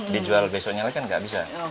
dijual besoknya lagi kan nggak bisa